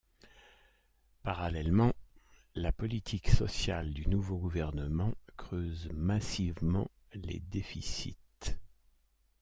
Parallèlement, la politique sociale du nouveau gouvernement creuse massivement les déficits.